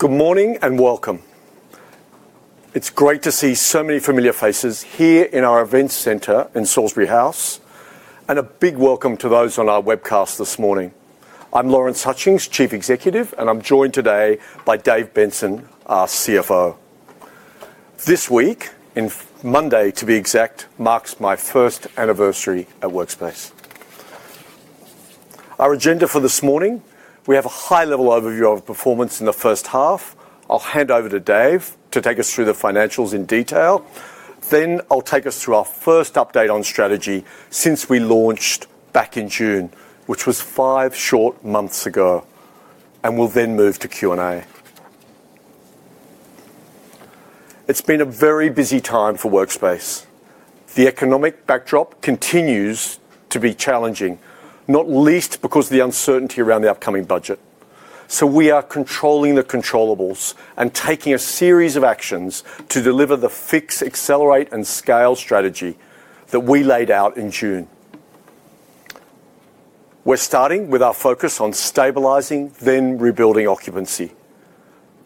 Good morning and welcome. It's great to see so many familiar faces here in our events center in Salisbury House, and a big welcome to those on our webcast this morning. I'm Lawrence Hutchings, Chief Executive, and I'm joined today by Dave Benson, our CFO. This week, in Monday to be exact, marks my first anniversary at Workspace. Our agenda for this morning: we have a high-level overview of performance in the first-half. I'll hand over to Dave Benson to take us through the financials in detail. Then I'll take us through our first update on strategy since we launched back in June, which was five short months ago, and we'll then move to Q&A. It's been a very busy time for Workspace. The economic backdrop continues to be challenging, not least because of the uncertainty around the upcoming budget. We are controlling the controllables and taking a series of actions to deliver the Fix, Accelerate, and Scale strategy that we laid out in June. We're starting with our focus on stabilizing, then rebuilding occupancy.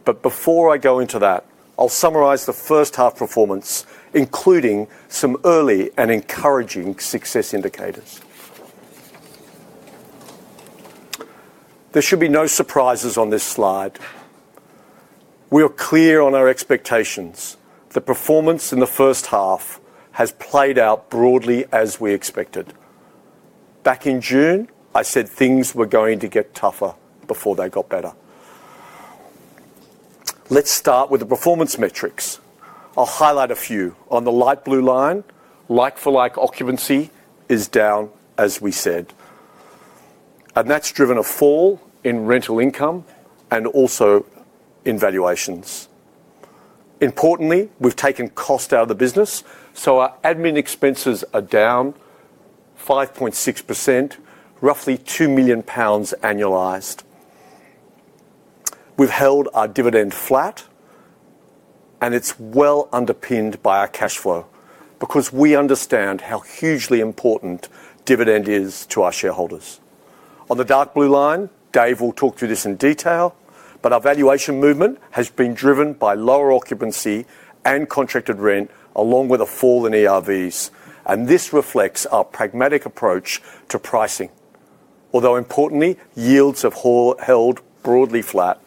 Before I go into that, I'll summarize the first half performance, including some early and encouraging success indicators. There should be no surprises on this slide. We are clear on our expectations. The performance in the first-half has played out broadly as we expected. Back in June, I said things were going to get tougher before they got better. Let's start with the performance metrics. I'll highlight a few. On the light blue line, like-for-like occupancy is down, as we said, and that's driven a fall in rental income and also in valuations. Importantly, we've taken cost out of the business, so our admin expenses are down 5.6%, roughly GBP 2 million annualized. We've held our dividend flat, and it's well underpinned by our cash flow because we understand how hugely important dividend is to our shareholders. On the dark blue line, Dave Benson will talk through this in detail, but our valuation movement has been driven by lower occupancy and contracted rent, along with a fall in ERVs, and this reflects our pragmatic approach to pricing, although importantly, yields have held broadly flat.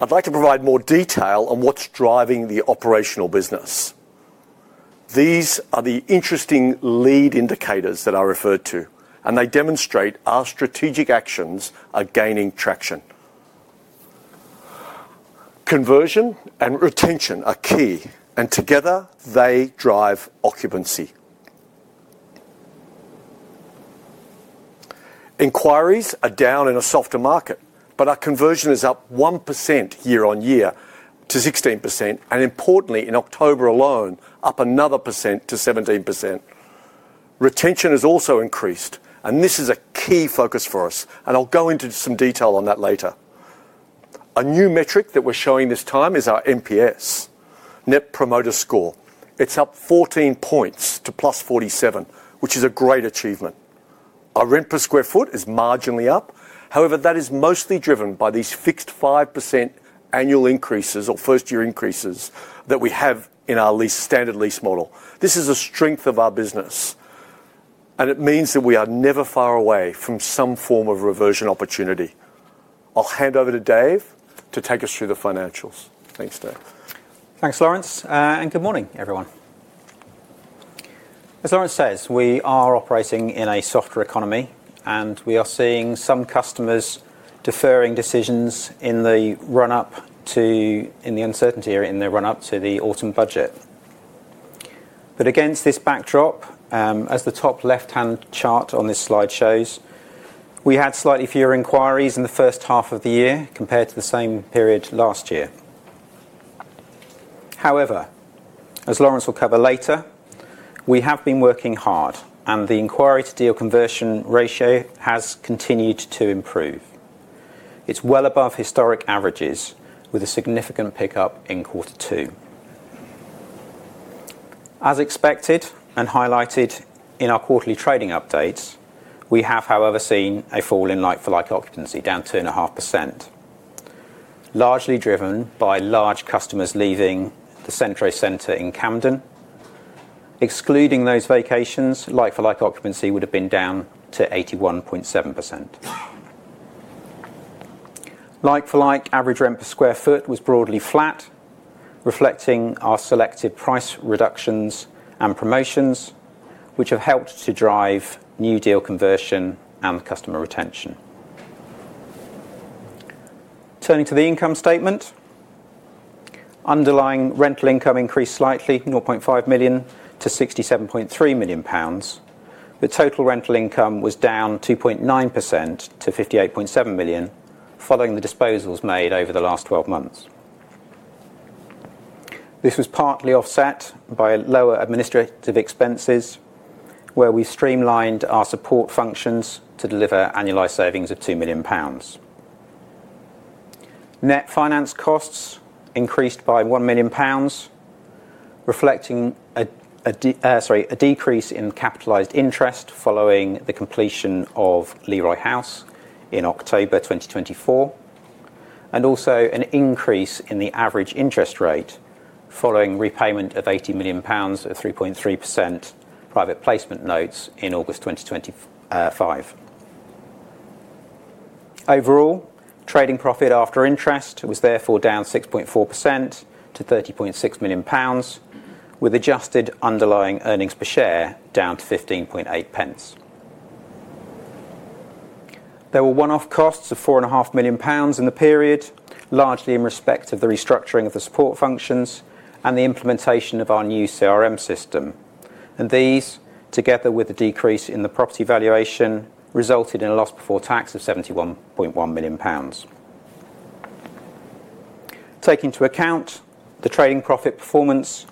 I'd like to provide more detail on what's driving the operational business. These are the interesting lead indicators that I referred to, and they demonstrate our strategic actions are gaining traction. Conversion and retention are key, and together they drive occupancy. Inquiries are down in a softer market, but our conversion is up 1% year-on-year to 16%, and importantly, in October alone, up another percent to 17%. Retention has also increased, and this is a key focus for us, and I'll go into some detail on that later. A new metric that we're showing this time is our NPS, Net Promoter Score. It's up 14 points to +47, which is a great achievement. Our rent per sq ft is marginally up, however, that is mostly driven by these fixed 5% annual increases or first-year increases that we have in our standard lease model. This is a strength of our business, and it means that we are never far away from some form of reversion opportunity. I'll hand over to Dave to take us through the financials. Thanks, Dave Benson. Thanks, Lawrence Hutchings, and good morning, everyone. As Lawrence Hutchings says, we are operating in a softer economy, and we are seeing some customers deferring decisions in the run-up to, in the uncertainty area, in their run-up to the autumn budget. Against this backdrop, as the top left-hand chart on this slide shows, we had slightly fewer inquiries in the first-half of the year compared to the same period last year. However, as Lawrence Hutchings will cover later, we have been working hard, and the inquiry-to-deal conversion ratio has continued to improve. It is well above historic averages, with a significant pickup in Q2. As expected and highlighted in our quarterly trading updates, we have, however, seen a fall in like-for-like occupancy, down 2.5%, largely driven by large customers leaving the Centro Center in Camden. Excluding those vacations, like-for-like occupancy would have been down to 81.7%. Like-for-like average rent per sq ft was broadly flat, reflecting our selective price reductions and promotions, which have helped to drive new deal conversion and customer retention. Turning to the income statement, underlying rental income increased slightly, 0.5 million to 67.3 million pounds. The total rental income was down 2.9% to 58.7 million, following the disposals made over the last 12 months. This was partly offset by lower administrative expenses, where we streamlined our support functions to deliver annualized savings of 2 million pounds. Net finance costs increased by 1 million pounds, reflecting a decrease in capitalized interest following the completion of Leroy House in October 2024, and also an increase in the average interest rate following repayment of 80 million pounds of 3.3% private placement notes in August 2025. Overall, trading profit after interest was therefore down 6.4% to 30.6 million pounds, with adjusted underlying earnings per share down to 15.80. There were one-off costs of 4.5 million pounds in the period, largely in respect of the restructuring of the support functions and the implementation of our new CRM system, and these, together with the decrease in the property valuation, resulted in a loss before tax of 71.1 million pounds. Taking into account the trading profit performance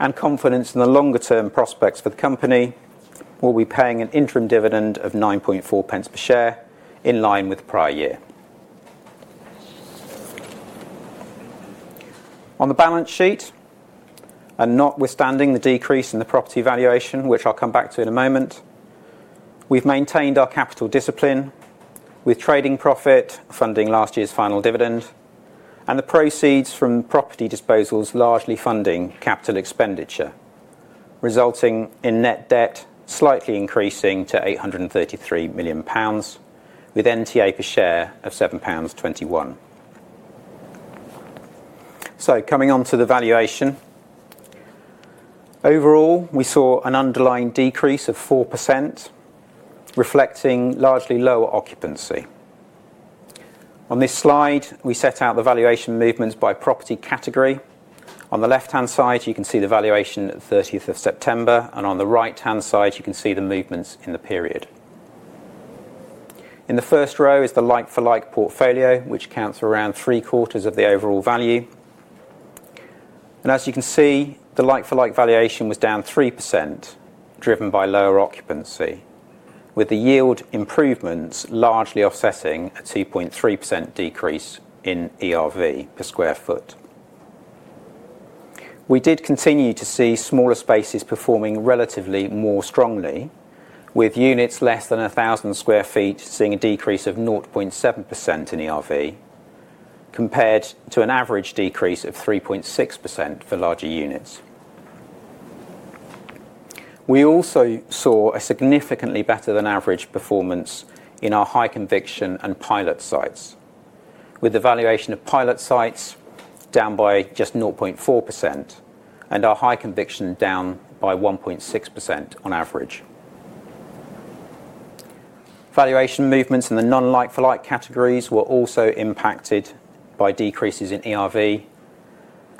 and confidence in the longer-term prospects for the company, we'll be paying an interim dividend of 9.40 per share, in line with the prior-year. On the balance sheet, and notwithstanding the decrease in the property valuation, which I'll come back to in a moment, we've maintained our capital discipline, with trading profit funding last year's final dividend, and the proceeds from property disposals largely funding capital expenditure, resulting in net debt slightly increasing to 833 million pounds, with NTA per share of 7.21 pounds. Coming on to the valuation, overall, we saw an underlying decrease of 4%, reflecting largely lower occupancy. On this slide, we set out the valuation movements by property category. On the left-hand side, you can see the valuation as of 30th September, and on the right-hand side, you can see the movements in the period. In the first row is the like-for-like portfolio, which accounts for around three-quarters of the overall value. As you can see, the like-for-like valuation was down 3%, driven by lower occupancy, with the yield improvements largely offsetting a 2.3% decrease in ERV per sq ft. We did continue to see smaller spaces performing relatively more strongly, with units less than 1,000 sq ft seeing a decrease of 0.7% in ERV, compared to an average decrease of 3.6% for larger units. We also saw a significantly better-than-average performance in our high conviction and pilot sites, with the valuation of pilot sites down by just 0.4% and our high conviction down by 1.6% on average. Valuation movements in the non-like-for-like categories were also impacted by decreases in ERV,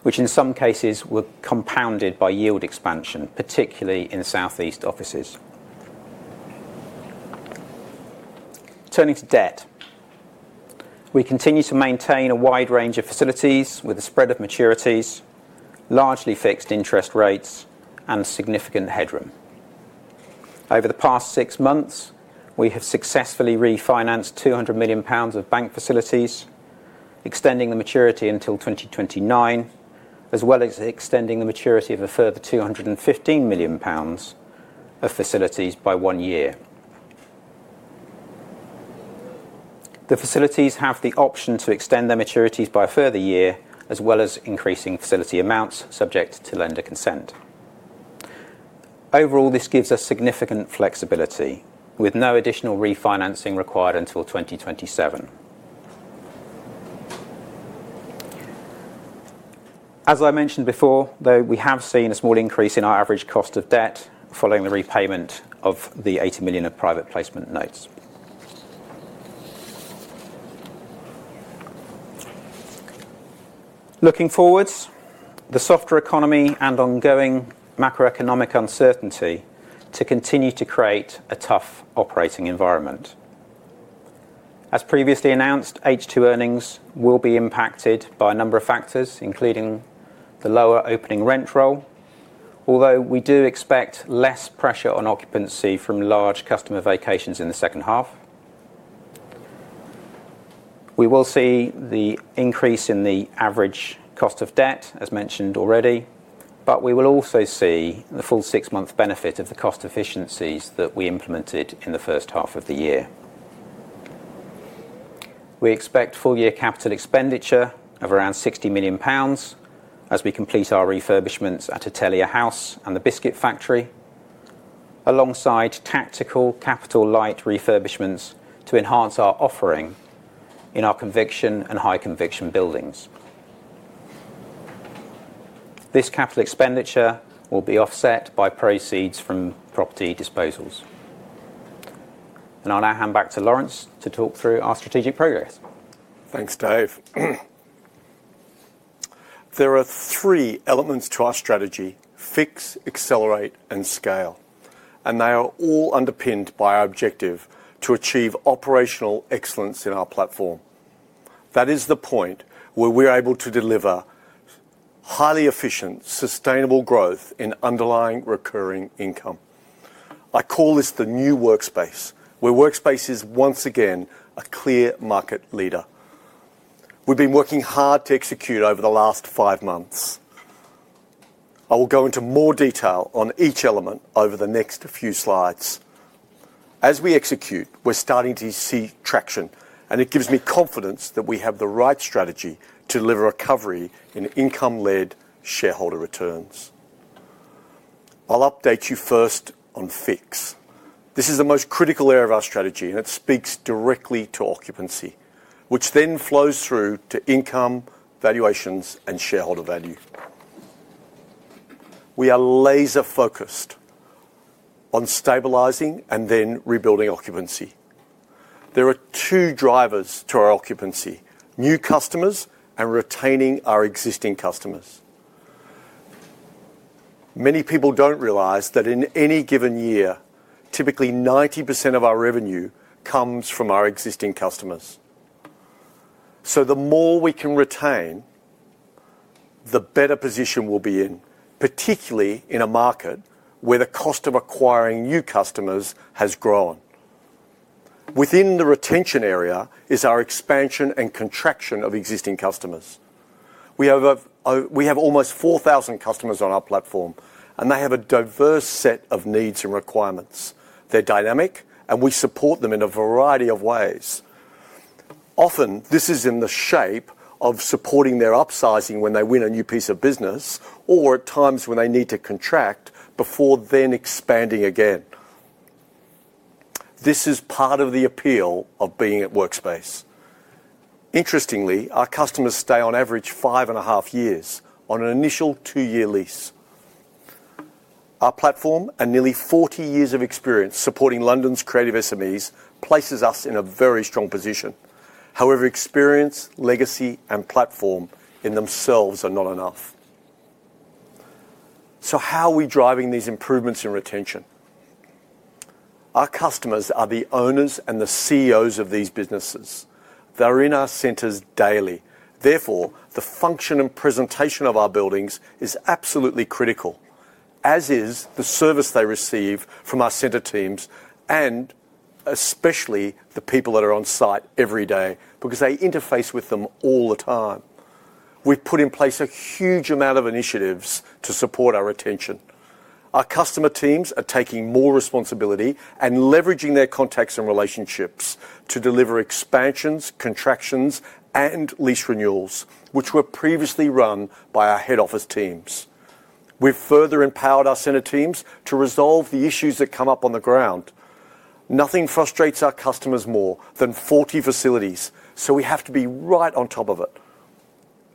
which in some cases were compounded by yield expansion, particularly in Southeast offices. Turning to debt, we continue to maintain a wide range of facilities with a spread of maturities, largely fixed interest rates, and significant headroom. Over the past six months, we have successfully refinanced 200 million pounds of bank facilities, extending the maturity until 2029, as well as extending the maturity of a further 215 million pounds of facilities by one year. The facilities have the option to extend their maturities by a further year, as well as increasing facility amounts subject to lender consent. Overall, this gives us significant flexibility, with no additional refinancing required until 2027. As I mentioned before, though, we have seen a small increase in our average cost of debt following the repayment of the 80 million of private placement notes. Looking forwards, the softer economy and ongoing macroeconomic uncertainty continue to create a tough operating environment. As previously announced, H2 earnings will be impacted by a number of factors, including the lower opening rent roll, although we do expect less pressure on occupancy from large customer vacations in the second half. We will see the increase in the average cost of debt, as mentioned already, but we will also see the full six-month benefit of the cost efficiencies that we implemented in the first half of the year. We expect full-year capital expenditure of around 60 million pounds as we complete our refurbishments at Atelier House and the Biscuit Factory, alongside tactical capital light refurbishments to enhance our offering in our conviction and high conviction buildings. This capital expenditure will be offset by proceeds from property disposals. I will now hand back to Lawrence Hutchings to talk through our strategic progress. Thanks, Dave Benson. There are three elements to our strategy: Fix, Accelerate, and Scale, and they are all underpinned by our objective to achieve operational excellence in our platform. That is the point where we're able to deliver highly efficient, sustainable growth in underlying recurring income. I call this the new workspace, where Workspace is once again a clear market leader. We've been working hard to execute over the last five months. I will go into more detail on each element over the next few slides. As we execute, we're starting to see traction, and it gives me confidence that we have the right strategy to deliver a recovery in income-led shareholder returns. I'll update you first on Fix. This is the most critical area of our strategy, and it speaks directly to occupancy, which then flows through to income, valuations, and shareholder value. We are laser-focused on stabilizing and then rebuilding occupancy. There are two drivers to our occupancy: new customers and retaining our existing customers. Many people do not realize that in any given year, typically 90% of our revenue comes from our existing customers. The more we can retain, the better position we will be in, particularly in a market where the cost of acquiring new customers has grown. Within the retention area is our expansion and contraction of existing customers. We have almost 4,000 customers on our platform, and they have a diverse set of needs and requirements. They are dynamic, and we support them in a variety of ways. Often, this is in the shape of supporting their upsizing when they win a new piece of business, or at times when they need to contract before then expanding again. This is part of the appeal of being at Workspace. Interestingly, our customers stay on average five and 1/2 years on an initial two-year lease. Our platform and nearly 40 years of experience supporting London's creative SMEs places us in a very strong position. However, experience, legacy, and platform in themselves are not enough. How are we driving these improvements in retention? Our customers are the owners and the CEOs of these businesses. They're in our centers daily. Therefore, the function and presentation of our buildings is absolutely critical, as is the service they receive from our center teams and especially the people that are on site every day because they interface with them all the time. We've put in place a huge amount of initiatives to support our retention. Our customer teams are taking more responsibility and leveraging their contacts and relationships to deliver expansions, contractions, and lease renewals, which were previously run by our head office teams. We have further empowered our center teams to resolve the issues that come up on the ground. Nothing frustrates our customers more than faulty facilities, so we have to be right on top of it.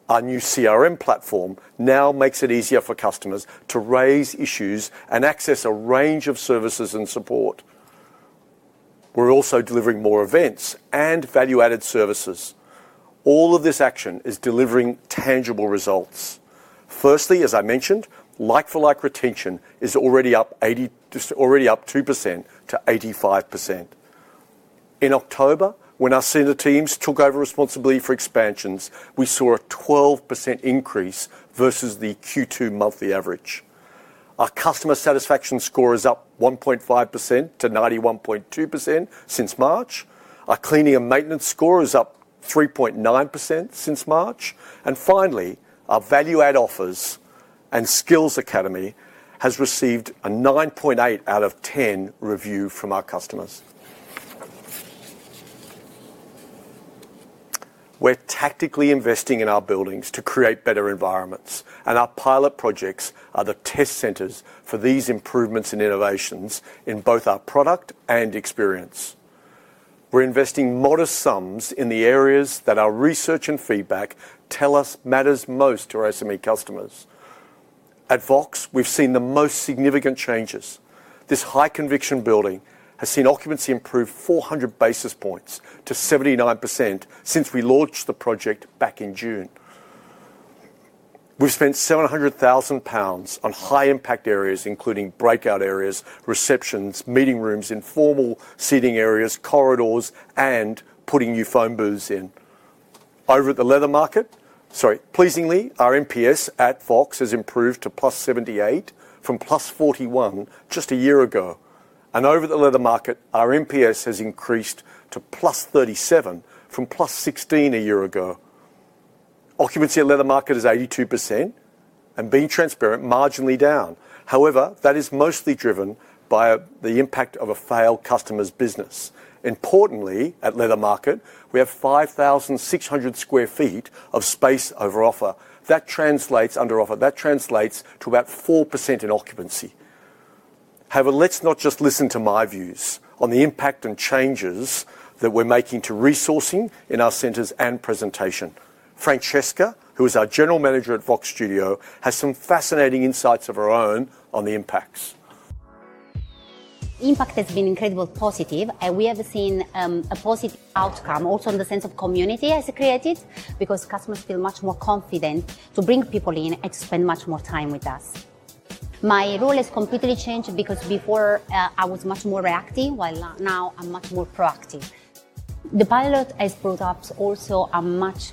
Our new CRM platform now makes it easier for customers to raise issues and access a range of services and support. We are also delivering more events and value-added services. All of this action is delivering tangible results. Firstly, as I mentioned, like-for-like retention is already up 2% to 85%. In October, when our center teams took over responsibility for expansions, we saw a 12% increase versus the Q2 monthly average. Our customer satisfaction score is up 1.5% to 91.2% since March. Our cleaning and maintenance score is up 3.9% since March. Finally, our value-add offers and skills academy has received a 9.8 out of 10 review from our customers. We are tactically investing in our buildings to create better environments, and our pilot projects are the test centers for these improvements and innovations in both our product and experience. We are investing modest sums in the areas that our research and feedback tell us matters most to our SME customers. At Vox, we have seen the most significant changes. This high conviction building has seen occupancy improve 400 basis points to 79% since we launched the project back in June. We have spent 700,000 pounds on high-impact areas, including breakout areas, receptions, meeting rooms, informal seating areas, corridors, and putting new phone booths in. Pleasingly, our NPS at Vox has improved to +78 from +41 just a year ago. Over at the Leather Market, our NPS has increased to +37 from +16 a year ago. Occupancy at Leather Market is 82%, and being transparent, marginally down. However, that is mostly driven by the impact of a failed customer's business. Importantly, at Leather Market, we have 5,600 sq ft of space under offer. That translates to about 4% in occupancy. However, let's not just listen to my views on the impact and changes that we're making to resourcing in our centers and presentation. Francesca Paola Calate, who is our General Manager at Vox Studios, has some fascinating insights of her own on the impacts. The impact has been incredibly positive, and we have seen a positive outcome also in the sense of community as it created because customers feel much more confident to bring people in and to spend much more time with us. My role has completely changed because before I was much more reactive, while now I'm much more proactive. The pilot has brought up also a much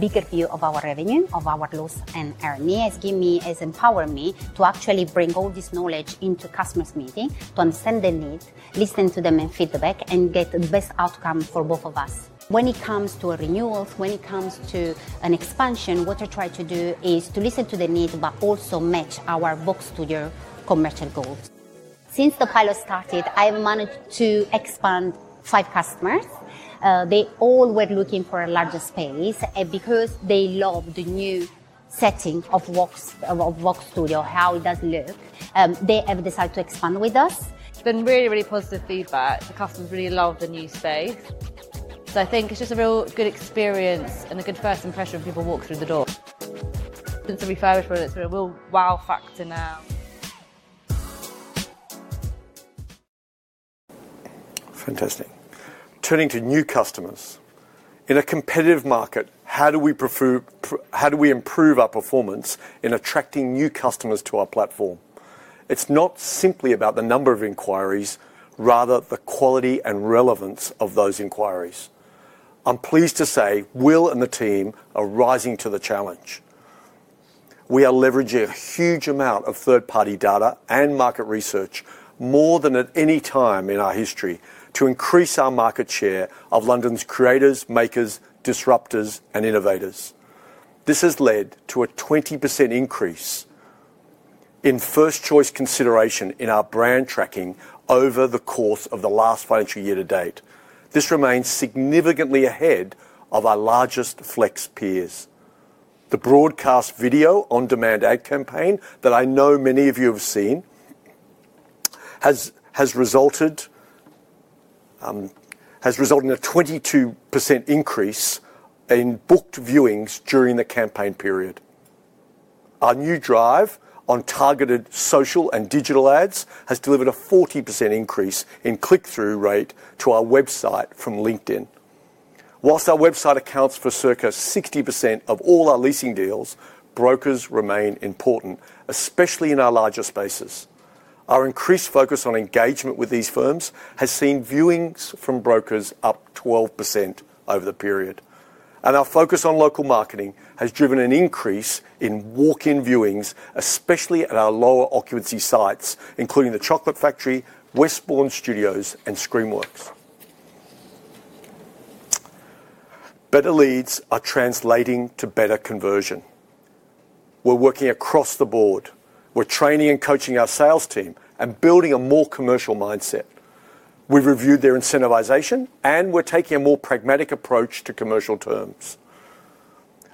bigger view of our revenue, of our loss and earning. It's given me, it's empowered me to actually bring all this knowledge into customers' meetings, to understand their needs, listen to them and feedback, and get the best outcome for both of us. When it comes to renewals, when it comes to an expansion, what I try to do is to listen to the need but also match our Vox Studios commercial goals. Since the pilot started, I've managed to expand five customers. They all were looking for a larger space, and because they love the new setting of Vox Studios, how it does look, they have decided to expand with us. It's been really, really positive feedback. The customers really love the new space. I think it's just a real good experience and a good first impression when people walk through the door. Since we've heard from it, it's been a real wow factor now. Fantastic. Turning to new customers. In a competitive market, how do we improve our performance in attracting new customers to our platform? It is not simply about the number of inquiries, rather the quality and relevance of those inquiries. I am pleased to say Will Abbott and the team are rising to the challenge. We are leveraging a huge amount of third-party data and market research more than at any time in our history to increase our market share of London's creators, makers, disruptors, and innovators. This has led to a 20% increase in first-choice consideration in our brand tracking over the course of the last financial year to date. This remains significantly ahead of our largest Flex peers. The broadcast video on-demand ad campaign that I know many of you have seen has resulted in a 22% increase in booked viewings during the campaign period. Our new drive on targeted social and digital ads has delivered a 40% increase in click-through rate to our website from LinkedIn. Whilst our website accounts for circa 60% of all our leasing deals, brokers remain important, especially in our larger spaces. Our increased focus on engagement with these firms has seen viewings from brokers up 12% over the period. Our focus on local marketing has driven an increase in walk-in viewings, especially at our lower occupancy sites, including the Chocolate Factory, Westbourne Studios, and Screenworks. Better leads are translating to better conversion. We're working across the board. We're training and coaching our sales team and building a more commercial mindset. We've reviewed their incentivization, and we're taking a more pragmatic approach to commercial terms.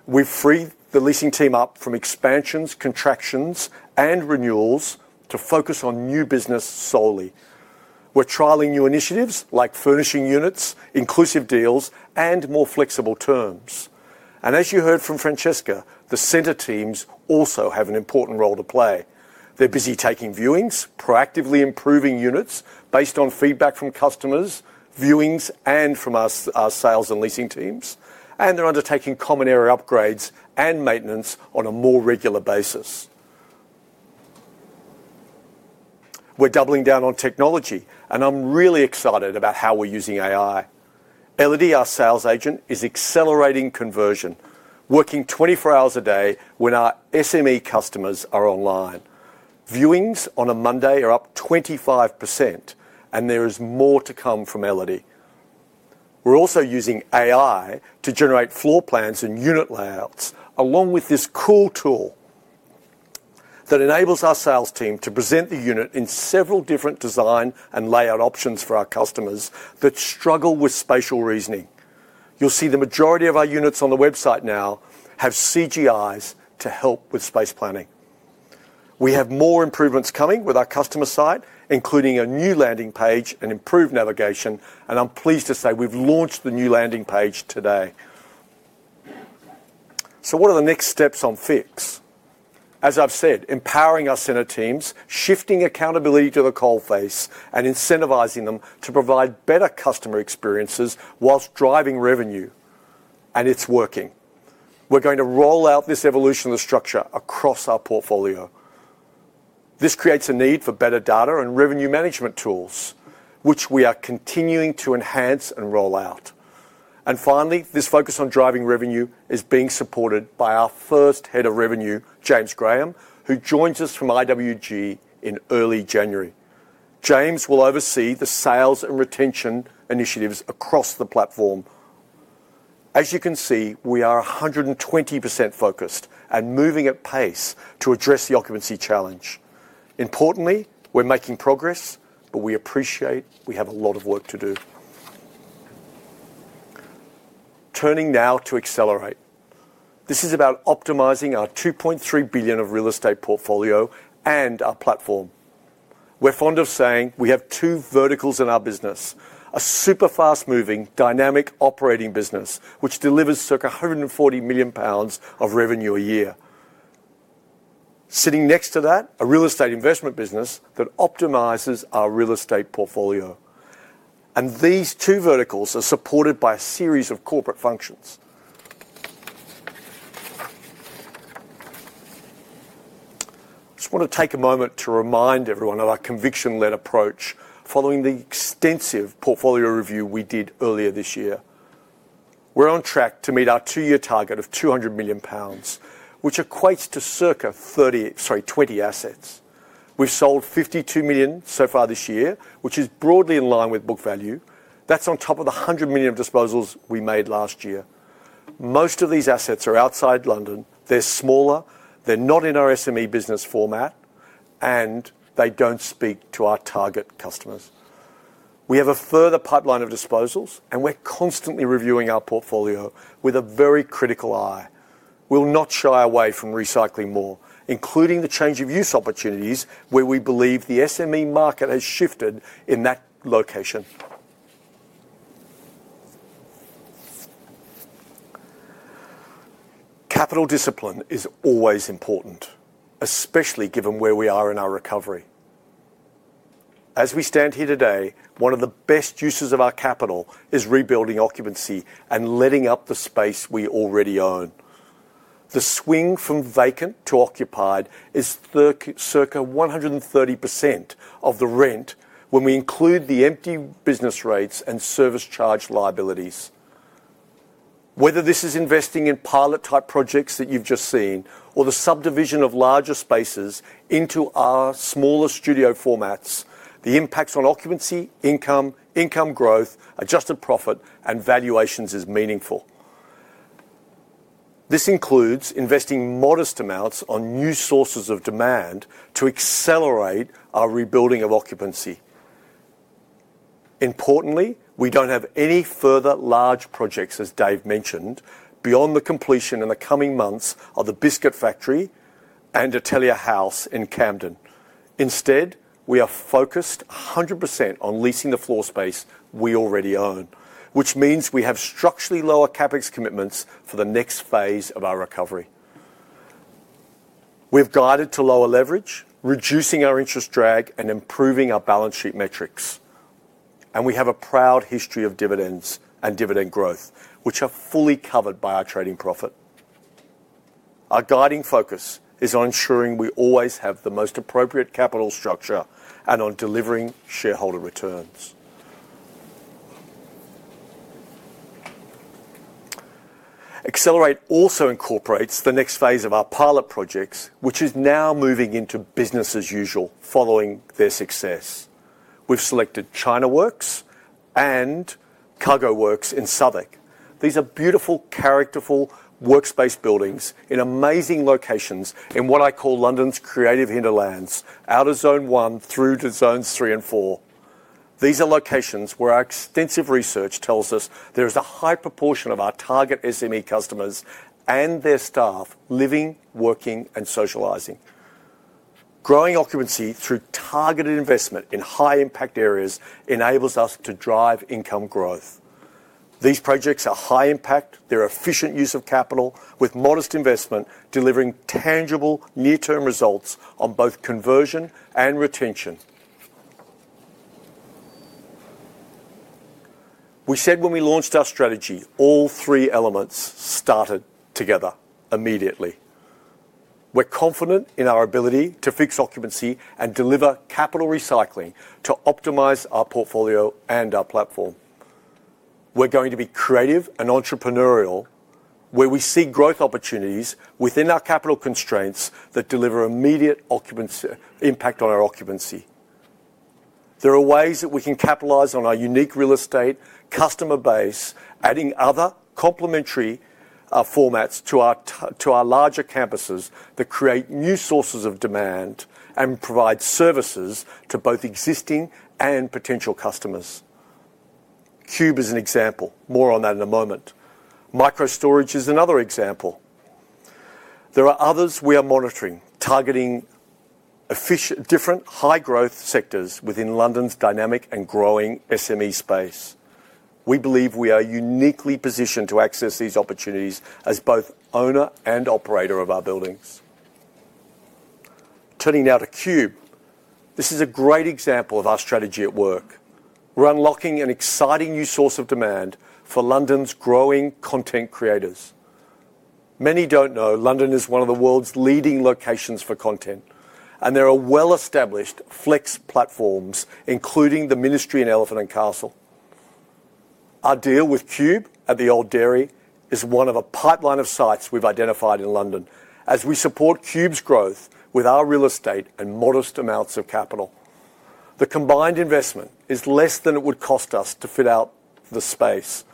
We've freed the leasing team up from expansions, contractions, and renewals to focus on new business solely. We're trialing new initiatives like furnishing units, inclusive deals, and more flexible terms. As you heard from Francesca, the center teams also have an important role to play. They're busy taking viewings, proactively improving units based on feedback from customers, viewings, and from our sales and leasing teams, and they're undertaking common area upgrades and maintenance on a more regular basis. We're doubling down on technology, and I'm really excited about how we're using AI. Elodie, our sales agent, is accelerating conversion, working 24 hours a day when our SME customers are online. Viewings on a Monday are up 25%, and there is more to come from Elodie. We're also using AI to generate floor plans and unit layouts, along with this cool tool that enables our sales team to present the unit in several different design and layout options for our customers that struggle with spatial reasoning. You'll see the majority of our units on the website now have CGIs to help with space planning. We have more improvements coming with our customer site, including a new landing page and improved navigation. I'm pleased to say we've launched the new landing page today. What are the next steps on Fix? As I've said, empowering our center teams, shifting accountability to the coalface, and incentivizing them to provide better customer experiences whilst driving revenue. It's working. We're going to roll out this evolution of the structure across our portfolio. This creates a need for better data and revenue management tools, which we are continuing to enhance and roll out. Finally, this focus on driving revenue is being supported by our first Head of Revenue, James Graham, who joins us from IWG in early January. James Graham will oversee the sales and retention initiatives across the platform. As you can see, we are 120% focused and moving at pace to address the occupancy challenge. Importantly, we're making progress, but we appreciate we have a lot of work to do. Turning now to accelerate. This is about optimizing our 2.3 billion of real estate portfolio and our platform. We're fond of saying we have two verticals in our business, a super fast-moving, dynamic operating business, which delivers circa 140 million pounds of revenue a year. Sitting next to that, a real estate investment business that optimizes our real estate portfolio. These two verticals are supported by a series of corporate functions. I just want to take a moment to remind everyone of our conviction-led approach following the extensive portfolio review we did earlier this year. We're on track to meet our two-year target of 200 million pounds, which equates to circa 30, sorry, 20 assets. We've sold 52 million so far this year, which is broadly in line with book value. That's on top of the 100 million of disposals we made last year. Most of these assets are outside London. They're smaller. They're not in our SME business format, and they don't speak to our target customers. We have a further pipeline of disposals, and we're constantly reviewing our portfolio with a very critical eye. We'll not shy away from recycling more, including the change of use opportunities where we believe the SME market has shifted in that location. Capital discipline is always important, especially given where we are in our recovery. As we stand here today, one of the best uses of our capital is rebuilding occupancy and letting up the space we already own. The swing from vacant to occupied is circa 130% of the rent when we include the empty business rates and service charge liabilities. Whether this is investing in pilot-type projects that you have just seen or the subdivision of larger spaces into our smaller studio formats, the impacts on occupancy, income, income growth, adjusted profit, and valuations is meaningful. This includes investing modest amounts on new sources of demand to accelerate our rebuilding of occupancy. Importantly, we do not have any further large projects, as Dave Benson mentioned, beyond the completion in the coming months of the Biscuit Factory and Atelier House in Camden. Instead, we are focused 100% on leasing the floor space we already own, which means we have structurally lower CapEx commitments for the next phase of our recovery. We have guided to lower leverage, reducing our interest drag and improving our balance sheet metrics. We have a proud history of dividends and dividend growth, which are fully covered by our trading profit. Our guiding focus is on ensuring we always have the most appropriate capital structure and on delivering shareholder returns. Accelerate also incorporates the next phase of our pilot projects, which is now moving into business as usual following their success. We have selected China Works and Cargo Works in Southwark. These are beautiful, characterful workspace buildings in amazing locations in what I call London's creative hinterlands, out of Zone 1 through to Zones 3 and 4. These are locations where our extensive research tells us there is a high proportion of our target SME customers and their staff living, working, and socializing. Growing occupancy through targeted investment in high-impact areas enables us to drive income growth. These projects are high impact. They're efficient use of capital with modest investment, delivering tangible near-term results on both conversion and retention. We said when we launched our strategy, all three elements started together immediately. We're confident in our ability to fix occupancy and deliver capital recycling to optimize our portfolio and our platform. We're going to be creative and entrepreneurial where we see growth opportunities within our capital constraints that deliver immediate impact on our occupancy. There are ways that we can capitalize on our unique real estate customer base, adding other complementary formats to our larger campuses that create new sources of demand and provide services to both existing and potential customers. Cube is an example. More on that in a moment. MicroStorage is another example. There are others we are monitoring, targeting different high-growth sectors within London's dynamic and growing SME space. We believe we are uniquely positioned to access these opportunities as both owner and operator of our buildings. Turning now to Cube, this is a great example of our strategy at work. We're unlocking an exciting new source of demand for London's growing content creators. Many don't know London is one of the world's leading locations for content, and there are well-established Flex platforms, including the Ministry in Elephant and Castle. Our deal with Cube at the Old Dairy is one of a pipeline of sites we've identified in London, as we support Cube's growth with our real estate and modest amounts of capital. The combined investment is less than it would cost us to fit out the space,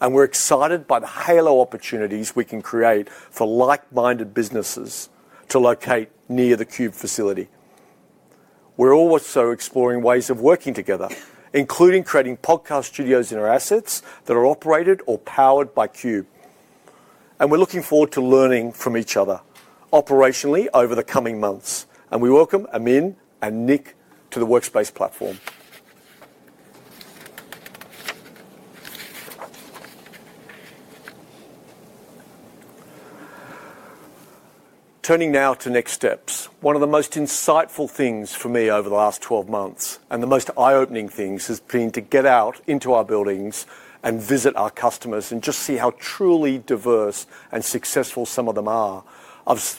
and we're excited by the halo opportunities we can create for like-minded businesses to locate near the Cube facility. We're also exploring ways of working together, including creating podcast studios in our assets that are operated or powered by Cube. We are looking forward to learning from each other operationally over the coming months. We welcome Amin and Nick to the Workspace platform. Turning now to next steps. One of the most insightful things for me over the last 12 months and the most eye-opening things has been to get out into our buildings and visit our customers and just see how truly diverse and successful some of them are.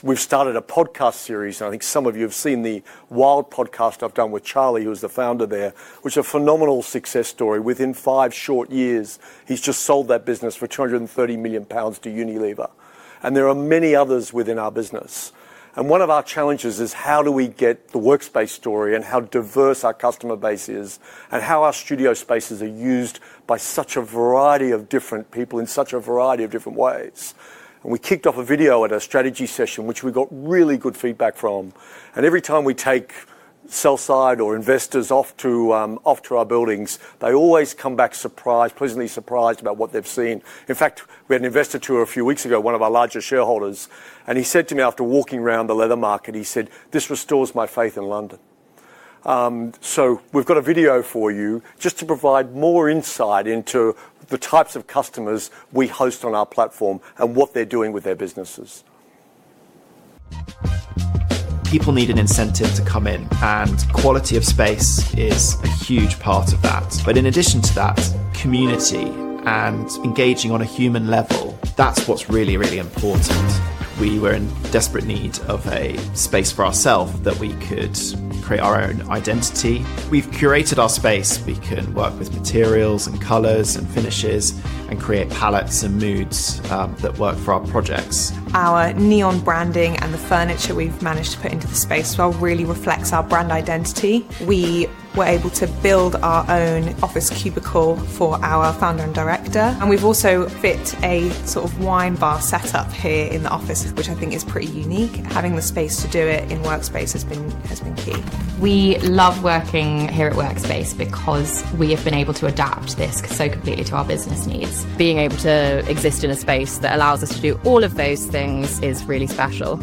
We've started a podcast series, and I think some of you have seen the Wild cosmetics company podcast I've done with Charlie Bowes, who is the founder there, which is a phenomenal success story. Within five short years, he's just sold that business for 230 million pounds to Unilever. There are many others within our business. One of our challenges is how do we get the Workspace story and how diverse our customer base is and how our studio spaces are used by such a variety of different people in such a variety of different ways. We kicked off a video at a strategy session, which we got really good feedback from. Every time we take sell side or investors off to our buildings, they always come back pleasantly surprised about what they've seen. In fact, we had an investor tour a few weeks ago, one of our larger shareholders, and he said to me after walking around the Leather Market, he said, "This restores my faith in London." We have a video for you just to provide more insight into the types of customers we host on our platform and what they're doing with their businesses. People need an incentive to come in, and quality of space is a huge part of that. In addition to that, community and engaging on a human level, that's what's really, really important. We were in desperate need of a space for ourselves that we could create our own identity. We've curated our space. We can work with materials and colors and finishes and create palettes and moods that work for our projects. Our neon branding and the furniture we've managed to put into the space really reflects our brand identity. We were able to build our own office cubicle for our founder and director. We've also fit a sort of wine bar setup here in the office, which I think is pretty unique. Having the space to do it in Workspace has been key. We love working here at Workspace because we have been able to adapt this so completely to our business needs. Being able to exist in a space that allows us to do all of those things is really special.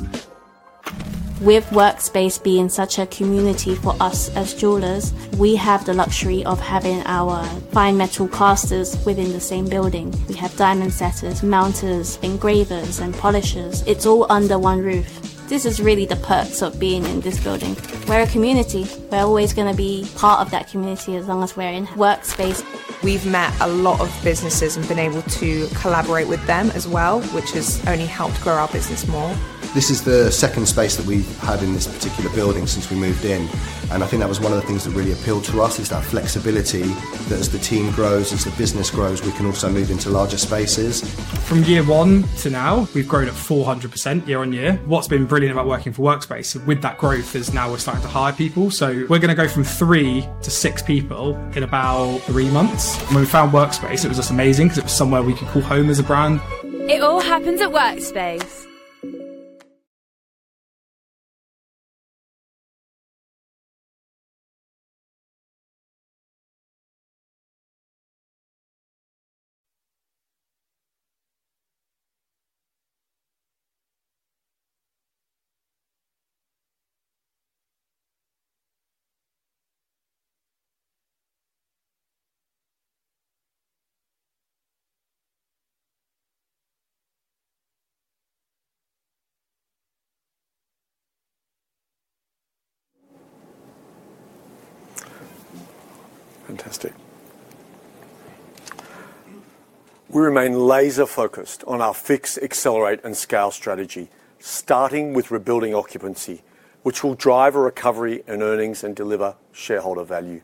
With Workspace being such a community for us as jewelers, we have the luxury of having our fine metal casters within the same building. We have diamond setters, mounters, engravers, and polishers. It is all under one roof. This is really the perks of being in this building. We are a community. We are always going to be part of that community as long as we are in Workspace. We have met a lot of businesses and been able to collaborate with them as well, which has only helped grow our business more. This is the second space that we have had in this particular building since we moved in. I think that was one of the things that really appealed to us is that flexibility that as the team grows, as the business grows, we can also move into larger spaces. From year one to now, we have grown at 400% year-on-year. What's been brilliant about working for Workspace with that growth is now we're starting to hire people. We're going to go from three to six people in about three months. When we found Workspace, it was just amazing because it was somewhere we could call home as a brand. It all happens at Workspace. Fantastic. We remain laser-focused on our fix, accelerate, and scale strategy, starting with rebuilding occupancy, which will drive a recovery in earnings and deliver shareholder value.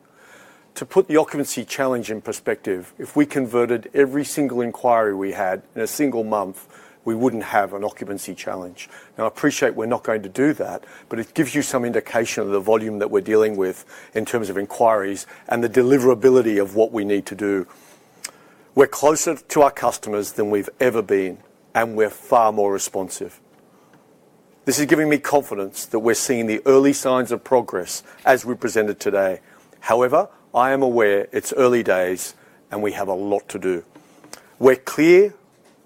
To put the occupancy challenge in perspective, if we converted every single inquiry we had in a single month, we wouldn't have an occupancy challenge. I appreciate we're not going to do that, but it gives you some indication of the volume that we're dealing with in terms of inquiries and the deliverability of what we need to do. We're closer to our customers than we've ever been, and we're far more responsive. This is giving me confidence that we're seeing the early signs of progress as we presented today. However, I am aware it's early days, and we have a lot to do. We're clear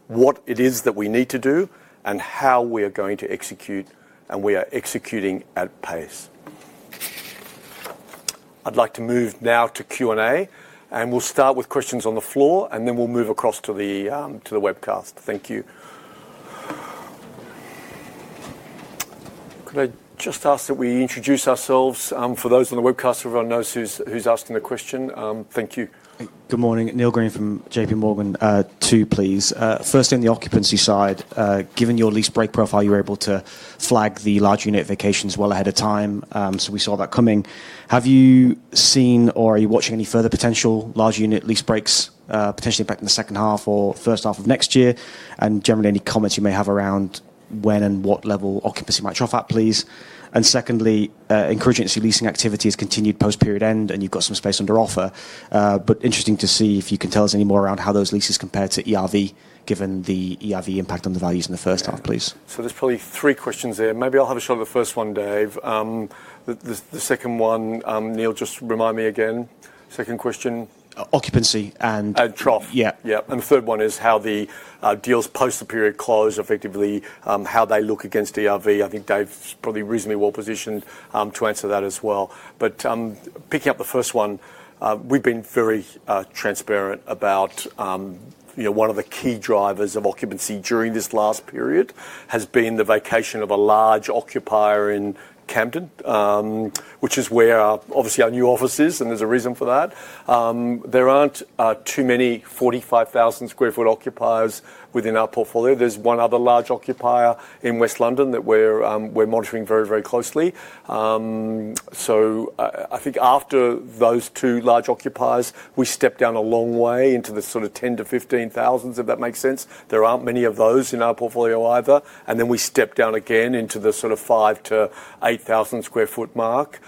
what it is that we need to do and how we are going to execute, and we are executing at pace. I'd like to move now to Q&A, and we'll start with questions on the floor, and then we'll move across to the webcast. Thank you. Could I just ask that we introduce ourselves for those on the webcast so everyone knows who's asking the question? Thank you. Good morning. Neil Green from J.P. Morgan. Two, please. Firstly, on the occupancy side, given your lease break profile, you were able to flag the large unit vacations well ahead of time, so we saw that coming. Have you seen or are you watching any further potential large unit lease breaks potentially back in the secon- half or first-half of next year? Generally, any comments you may have around when and what level occupancy might trough out, please? Secondly, incontinency leasing activity has continued post-period end, and you've got some space under offer. Interesting to see if you can tell us any more around how those leases compare to ERV, given the ERV impact on the values in the first-half, please. There are probably three questions there. Maybe I'll have a shot at the first one, Dave Benson. The second one, Neil, just remind me again. Second question. Occupancy and trough. Yeah. Yeah. The third one is how the deals post the period close, effectively how they look against ERV. I think Dave's probably reasonably well positioned to answer that as well. Picking up the first one, we've been very transparent about one of the key drivers of occupancy during this last period has been the vacation of a large occupier in Camden, which is where obviously our new office is, and there's a reason for that. There aren't too many 45,000 sq ft occupiers within our portfolio. There's one other large occupier in West London that we're monitoring very, very closely. I think after those two large occupiers, we stepped down a long way into the sort of 10,000-15,000, if that makes sense. There aren't many of those in our portfolio either. We stepped down again into the sort of 5,000 sq ft-8,000 sq ft mark.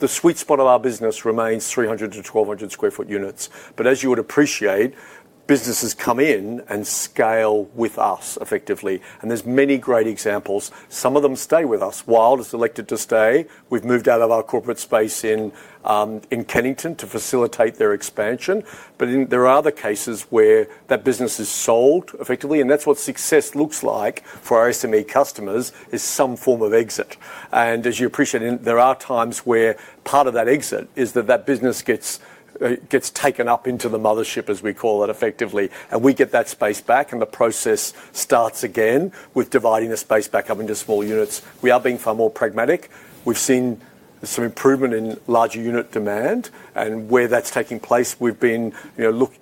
The sweet spot of our business remains 300 sq ft-1,200 sq ft units. As you would appreciate, businesses come in and scale with us, effectively. There are many great examples. Some of them stay with us. Wild cosmetics company has elected to stay. We have moved out of our corporate space in Kennington to facilitate their expansion. There are other cases where that business is sold, effectively. That is what success looks like for our SME customers, some form of exit. As you appreciate, there are times where part of that exit is that the business gets taken up into the mothership, as we call it, effectively. We get that space back, and the process starts again with dividing the space back up into small units. We are being far more pragmatic. We've seen some improvement in larger unit demand. Where that's taking place, we've been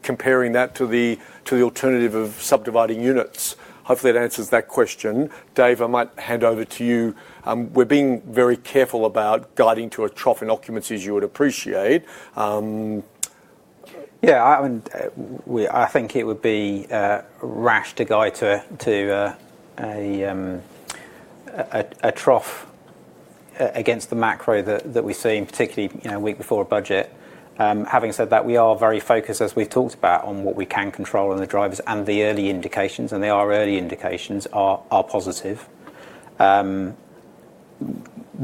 comparing that to the alternative of subdividing units. Hopefully, that answers that question. Dave Benson, I might hand over to you. We're being very careful about guiding to a trough in occupancy as you would appreciate. I think it would be rash to guide to a trough against the macro that we've seen, particularly a week before a budget. Having said that, we are very focused, as we've talked about, on what we can control and the drivers and the early indications. Our early indications are positive. The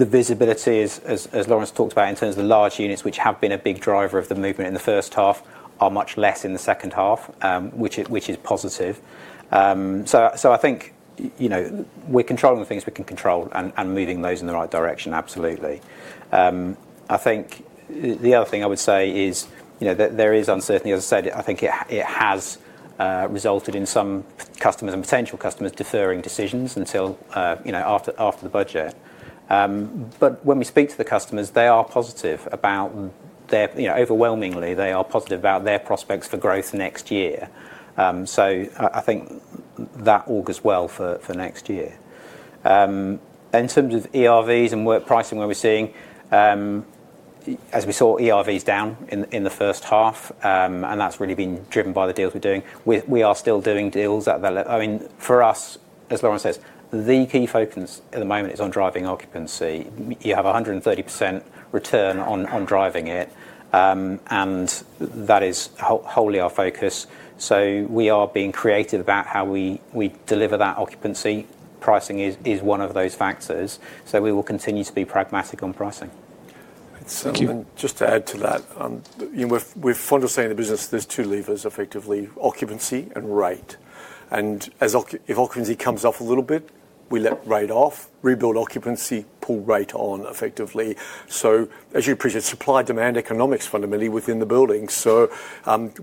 visibility, as Lawrence talked about, in terms of the large units, which have been a big driver of the movement in the first half, are much less in the second half, which is positive. I think we're controlling the things we can control and moving those in the right direction, absolutely. I think the other thing I would say is that there is uncertainty. As I said, I think it has resulted in some customers and potential customers deferring decisions until after the budget. When we speak to the customers, they are positive about their, overwhelmingly, they are positive about their prospects for growth next year. I think that augurs well for next year. In terms of ERVs and work pricing, we're seeing, as we saw, ERVs down in the first half, and that's really been driven by the deals we're doing. We are still doing deals that, I mean, for us, as Lawrence says, the key focus at the moment is on driving occupancy. You have a 130% return on driving it, and that is wholly our focus. We are being creative about how we deliver that occupancy. Pricing is one of those factors. We will continue to be pragmatic on pricing. Thank you. Just to add to that, we're fond of saying in the business there's two levers, effectively: occupancy and rate. If occupancy comes off a little bit, we let rate off, rebuild occupancy, pull rate on, effectively. As you appreciate, supply-demand economics fundamentally within the building.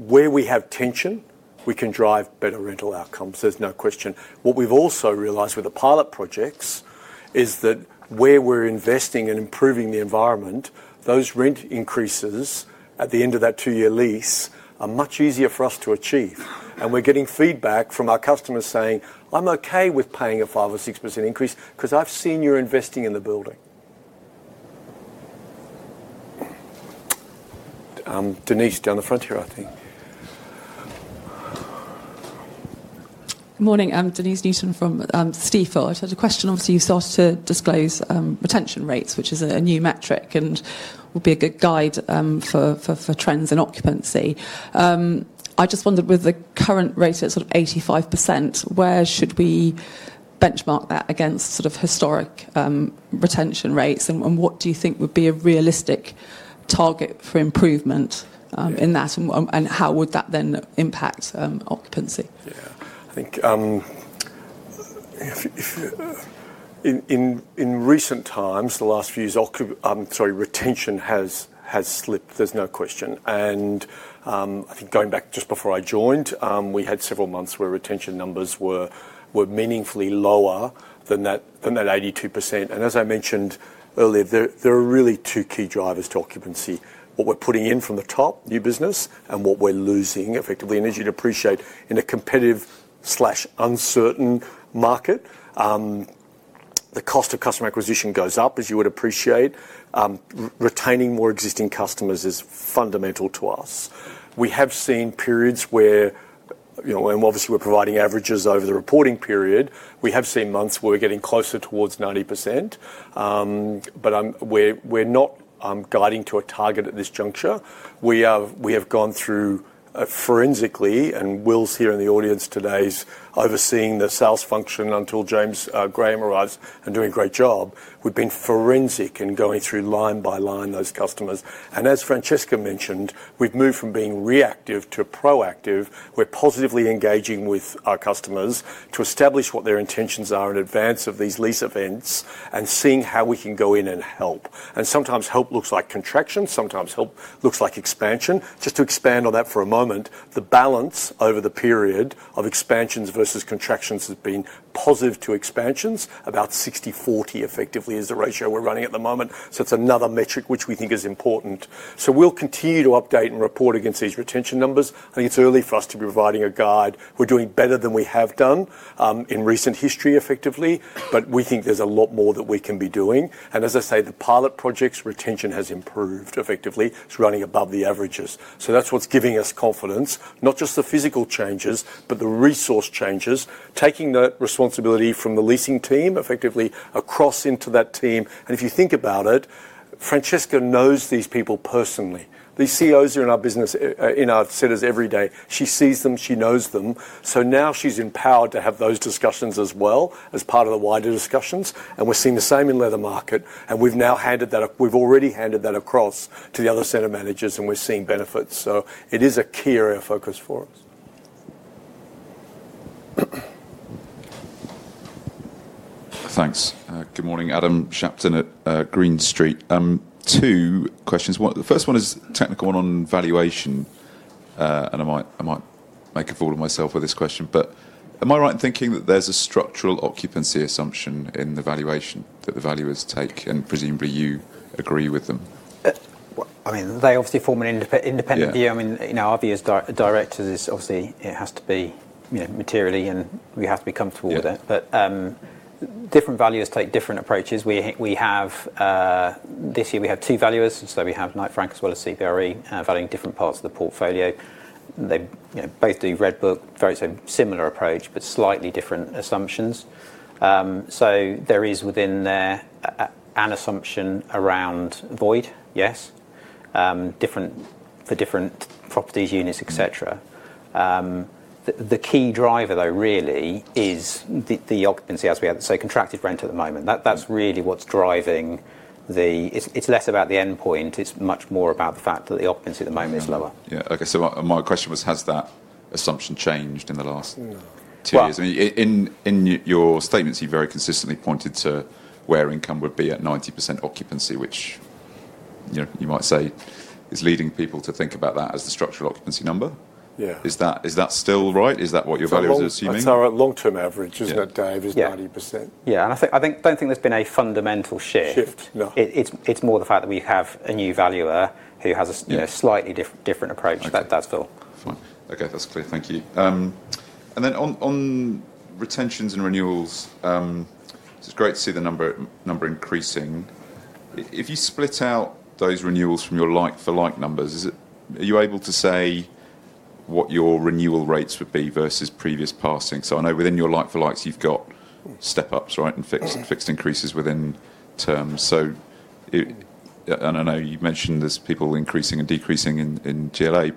Where we have tension, we can drive better rental outcomes. There's no question. What we've also realized with the pilot projects is that where we're investing and improving the environment, those rent increases at the end of that two-year lease are much easier for us to achieve. We're getting feedback from our customers saying, "I'm okay with paying a 5% or 6% increase because I've seen you're investing in the building." Denise down the front here, I think. Good morning. Denise Newton from Steve Phillips. I had a question. Obviously, you started to disclose retention rates, which is a new metric and will be a good guide for trends in occupancy. I just wondered, with the current rate at sort of 85%, where should we benchmark that against sort of historic retention rates? What do you think would be a realistic target for improvement in that, and how would that then impact occupancy? Yeah. I think in recent times, the last few years, retention has slipped. There's no question. I think going back just before I joined, we had several months where retention numbers were meaningfully lower than that 82%. As I mentioned earlier, there are really two key drivers to occupancy: what we are putting in from the top, new business, and what we are losing, effectively. As you would appreciate, in a competitive or uncertain market, the cost of customer acquisition goes up, as you would appreciate. Retaining more existing customers is fundamental to us. We have seen periods where, and obviously, we are providing averages over the reporting period. We have seen months where we are getting closer towards 90%. We are not guiding to a target at this juncture. We have gone through forensically, and Will Abbott is here in the audience today overseeing the sales function until James Graham arrives and doing a great job. We have been forensic in going through line by line those customers. As Francesca Paola Calate mentioned, we have moved from being reactive to proactive. We're positively engaging with our customers to establish what their intentions are in advance of these lease events and seeing how we can go in and help. Sometimes help looks like contraction. Sometimes help looks like expansion. Just to expand on that for a moment, the balance over the period of expansions versus contractions has been positive to expansions, about 60/40, effectively, is the ratio we're running at the moment. It is another metric which we think is important. We will continue to update and report against these retention numbers. I think it is early for us to be providing a guide. We are doing better than we have done in recent history, effectively. We think there is a lot more that we can be doing. As I say, the pilot project's retention has improved, effectively. It is running above the averages. That's what's giving us confidence, not just the physical changes, but the resource changes, taking the responsibility from the leasing team, effectively, across into that team. If you think about it, Francesca Paola Calate knows these people personally. These CEOs are in our business, in our centers every day. She sees them. She knows them. Now she's empowered to have those discussions as well as part of the wider discussions. We're seeing the same in Leather Market. We've now handed that up. We've already handed that across to the other center managers, and we're seeing benefits. It is a key area of focus for us. Thanks. Good morning. Adam Shapton at Green Street. Two questions. The first one is a technical one on valuation. I might make a fool of myself with this question. Am I right in thinking that there's a structural occupancy assumption in the valuation that the valuers take, and presumably you agree with them? I mean, they obviously form an independent view. I mean, our view as directors is obviously it has to be materially, and we have to be comfortable with it. Different valuers take different approaches. This year, we have two valuers. We have Knight Frank as well as CPRE valuing different parts of the portfolio. They both do Redbook, very similar approach, but slightly different assumptions. There is within there an assumption around void, yes, for different properties, units, etc. The key driver, though, really is the occupancy as we have it. Contracted rent at the moment. That's really what's driving it. It's less about the endpoint. It's much more about the fact that the occupancy at the moment is lower. Yeah. Okay. My question was, has that assumption changed in the last two years? In your statements, you've very consistently pointed to where income would be at 90% occupancy, which you might say is leading people to think about that as the structural occupancy number. Is that still right? Is that what your valuers are assuming? That's our long-term average, isn't it, Dave Benson? Is 90%? Yeah. I don't think there's been a fundamental shift. It's more the fact that we have a new valuer who has a slightly different approach. That's Phil. Okay. That's clear. Thank you. On retentions and renewals, it's great to see the number increasing. If you split out those renewals from your like-for-like numbers, are you able to say what your renewal rates would be versus previous passing? I know within your like-for-likes, you've got step-ups, right, and fixed increases within terms. I don't know. You mentioned there's people increasing and decreasing in GLA.